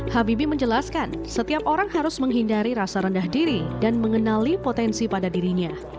habibie menjelaskan setiap orang harus menghindari rasa rendah diri dan mengenali potensi pada dirinya